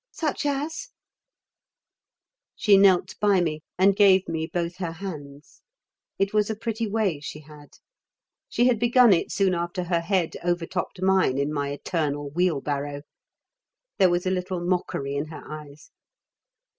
"Such as " She knelt by me and gave me both her hands. It was a pretty way she had. She had begun it soon after her head overtopped mine in my eternal wheelbarrow. There was a little mockery in her eyes.